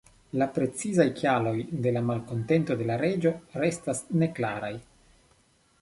La precizaj kialoj de la malkontento de la reĝo restas neklaraj.